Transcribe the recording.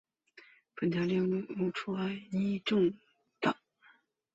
本条目列出爱沙尼亚政党。